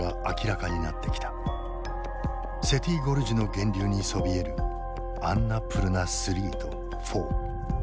セティ・ゴルジュの源流にそびえるアンナプルナⅢとⅣ。